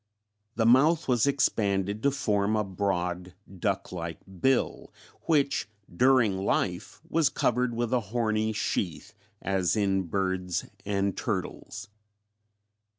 The mouth was expanded to form a broad duck like bill which during life was covered with a horny sheath, as in birds and turtles.